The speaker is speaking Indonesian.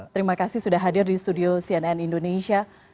terima kasih sudah hadir di studio cnn indonesia